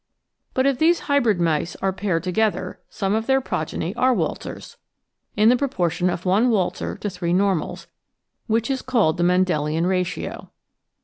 But if these hybrid mice are paired together, some of their progeny are waltzers — ^in the proportion of one waltzer to three normals, which is called the Mendelian ratio.